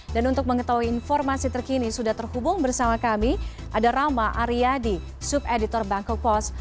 dan untuk mengetahui informasi terkini sudah terhubung bersama kami ada rama aryadi sub editor bangkok post